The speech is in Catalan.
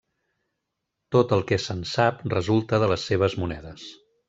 Tot el que se'n sap resulta de les seves monedes.